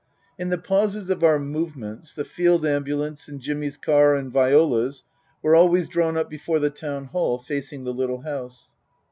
In the pauses of our movements the Field Ambulance and Jimmy's car and Viola's were always drawn up before the Town Hall, facing the little house.